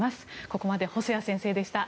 ここまで細谷先生でした。